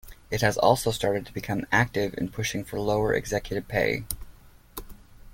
It has also started to become active in pushing for lower executive pay.